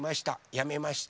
やめました。